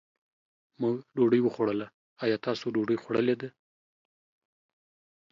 مونږ ډوډۍ وخوړله، ايا تاسو ډوډۍ خوړلې ده؟